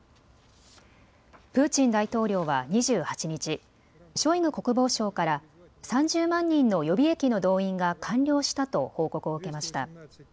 プーチン大統領は２８日、ショイグ国防相から３０万人の予備役の動員が完了したと報告を受けました。